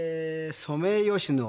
ソメイヨシノ。